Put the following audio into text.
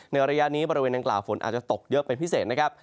ระยะนี้บริเวณดังกล่าวฝนอาจจะตกเยอะเป็นพิเศษนะครับ